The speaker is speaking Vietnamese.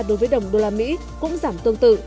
đối với đồng đô la mỹ cũng giảm tương tự